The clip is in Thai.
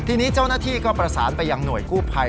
ทีนี้เจ้าหน้าที่ก็ประสานไปยังหน่วยกู้ภัย